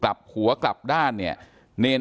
การแก้เคล็ดบางอย่างแค่นั้นเอง